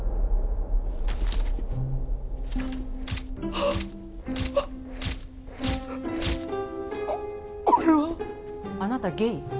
あっあっこっこれはあなたゲイ？